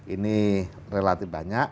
ini relatif banyak